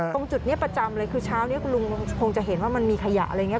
ตรงจุดนี้ประจำเลยคือเช้านี้คุณลุงคงจะเห็นว่ามันมีขยะอะไรอย่างนี้